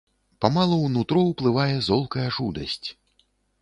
Памалу ў нутро ўплывае золкая жудасць.